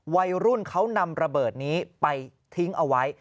วัยรุ่นเขานำระเบิดนี้ไปทิ้งเอาไว้